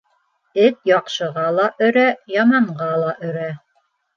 Эт яҡшыға ла өрә, яманға ла өрә.